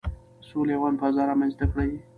د سولې او امن فضا رامنځته کړئ.